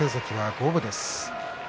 五分です。